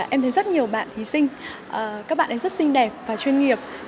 em thấy rất nhiều bạn thí sinh các bạn ấy rất xinh đẹp và chuyên nghiệp